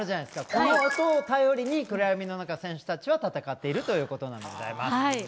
この音を頼りに暗闇の中選手たちは戦っているということなんでございます。